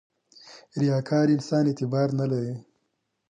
• ریاکار انسان اعتبار نه لري.